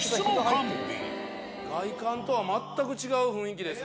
外観とは全く違う雰囲気ですね。